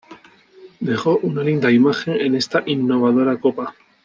Dejó una linda imagen en esta innovadora copa.